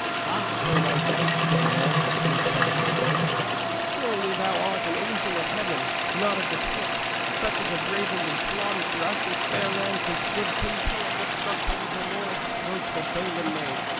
'Ah, Sir White Knight!' said the man, whose tears fell as he spoke, 'surely thou art an angel of heaven, not of the pit, such as have ravened and slaughtered throughout this fair land since good King Pellam was struck by the Dolorous Stroke that Balin made.